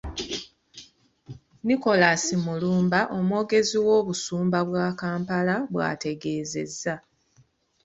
Nicholas Mulumba omwogezi w'Obusumba bwa Kampala bw'ategeezezza.